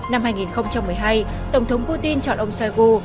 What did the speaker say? năm hai nghìn một mươi hai tổng thống putin chọn ông shaigu